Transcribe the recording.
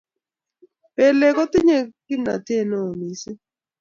Pelik kotindoi kimnated neo missing